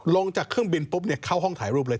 ลงจากเครื่องบินปุ๊บเข้าห้องถ่ายรูปเลย